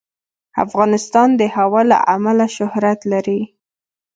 افغانستان د هوا له امله شهرت لري.